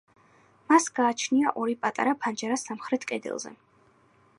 მას გააჩნია ორი პატარა ფანჯარა სამხრეთ კედელზე.